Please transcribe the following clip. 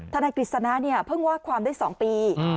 นายกฤษณะเนี่ยเพิ่งว่าความได้๒ปี